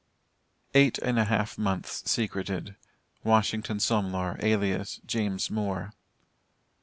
EIGHT AND A HALF MONTHS SECRETED. WASHINGTON SOMLOR, ALIAS JAMES MOORE.